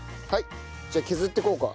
じゃあ削っていこうか。